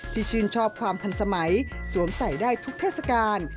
ชื่นชอบความทันสมัยสวมใส่ได้ทุกเทศกาล